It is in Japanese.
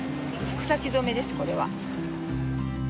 草木染めですこれは。